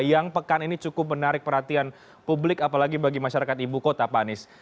yang pekan ini cukup menarik perhatian publik apalagi bagi masyarakat ibu kota pak anies